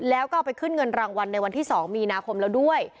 แล้วก็เอาไปขึ้นเงินรางวัลในวันที่๒มีนาคมแล้วด้วย